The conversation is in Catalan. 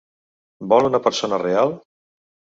Vol una persona real?